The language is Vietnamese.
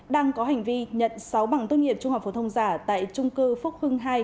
đang có hành vi nhận sáu bằng tốt nghiệp trung học phổ thông giả tại trung cư phúc hưng hai